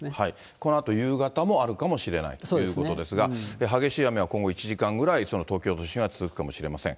このあと夕方もあるかもしれないということですが、激しい雨は今後１時間ぐらい東京都心は続くかもしれません。